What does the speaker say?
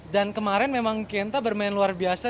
dan kemarin memang kienta bermain luar biasa